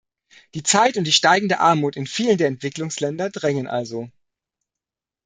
Die Zeit und die steigende Armut in vielen der Entwicklungsländer drängen also.